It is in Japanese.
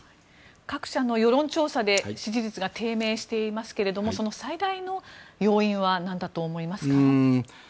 各社の世論調査で支持率が低迷していますがその最大の要因はなんだと思いますか？